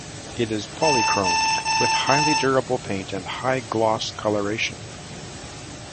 It is polychromed with highly durable paint and high gloss coloration.